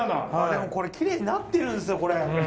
でもこれきれいになってるんですよ。